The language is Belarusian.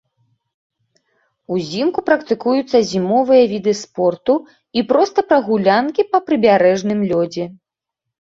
Узімку практыкуюцца зімовыя віды спорту і проста прагулянкі па прыбярэжным лёдзе.